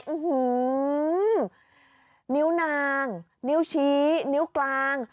นิ้วนางนิ้วชี้นิ้วกลาง